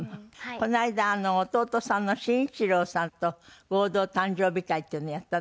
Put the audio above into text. この間弟さんの伸一郎さんと合同誕生日会っていうのをやったんですって？